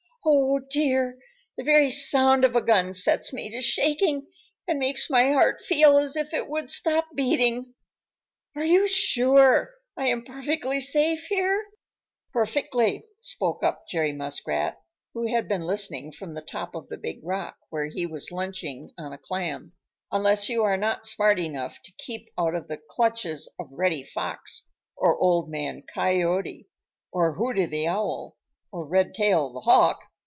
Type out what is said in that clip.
Oh, dear, the very sound of a gun sets me to shaking and makes my heart feel as if it would stop beating. Are you sure I am perfectly safe here?" "Perfectly," spoke up Jerry Muskrat, who had been listening from the top of the Big Rock, where he was lunching on a clam, "unless you are not smart enough to keep out of the clutches of Reddy Fox or Old Man Coyote or Hooty the Owl or Redtail the Hawk."